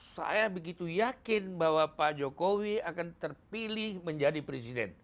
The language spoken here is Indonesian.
saya begitu yakin bahwa pak jokowi akan terpilih menjadi presiden